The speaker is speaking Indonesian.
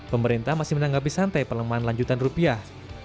pemerintah masih menanggapi santai pelemahan lanjutan rupiah